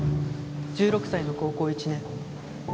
１６歳の高校１年。